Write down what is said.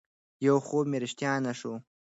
يو خوب مې رښتيا نه شو